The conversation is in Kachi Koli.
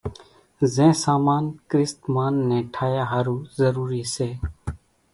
زين سامان ڪريست مانَ ني ٺاھيا ۿارُو ضروري سي۔